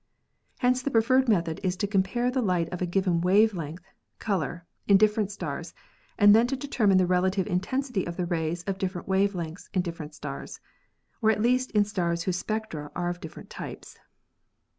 Hence the preferred method is to compare the light of a given wave length (color) in different stars and then to determine the relative intensity of the rays of different wave lengths in different stars, or at least in stars whose spectra are of different types.